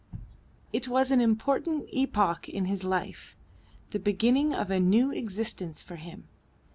It was an important epoch in his life, the beginning of a new existence for him.